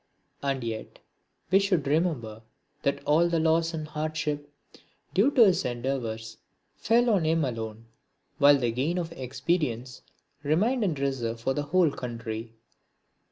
And yet we should remember that all the loss and hardship due to his endeavours fell on him alone, while the gain of experience remained in reserve for the whole country.